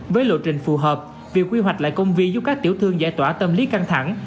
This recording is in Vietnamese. với lộ trình phù hợp việc quy hoạch lại công viên giúp các tiểu thương giải tỏa tâm lý căng thẳng